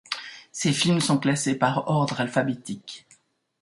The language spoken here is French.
Ces films sont classés par ordre alphabétique.